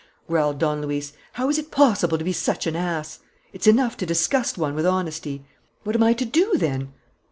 growled Don Luis. "How is it possible to be such an ass! It's enough to disgust one with honesty. What am I to do, then?"